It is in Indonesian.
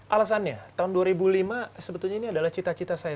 alasannya tahun dua ribu lima sebetulnya ini adalah cita cita saya